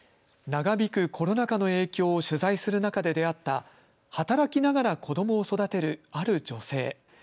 長引くコロナ禍の影響を取材する中で出会った働きながら子どもを育てるある女性。